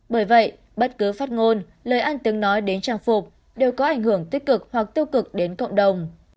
bởi vậy bất cứ phát ngôn lời ăn tiếng nói đến trang phục đều có ảnh hưởng tích cực hoặc tiêu cực đến cộng đồng